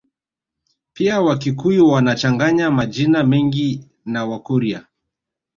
Pia Wakikuyu wanachanganya majina mengi na Wakurya